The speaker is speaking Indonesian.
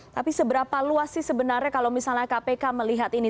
tapi seberapa luas sih sebenarnya kalau misalnya kpk melihat ini